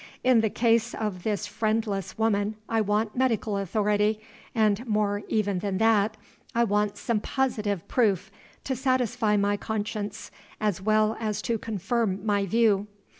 In the case of this friendless woman I want medical authority, and, more even than that, I want some positive proof, to satisfy my conscience as well as to confirm my view.